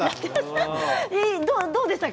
どうでしたか。